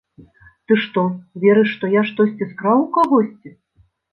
Ты што, верыш, што я штосьці скраў у кагосьці?